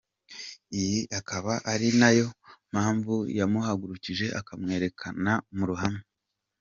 Iyi akaba ari nayo mpamvu yamuhagurukije akamwerekana mu ruhame.